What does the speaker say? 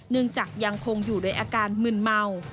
เนื่องจากยังคงอยู่ด้วยอาการมึนเมา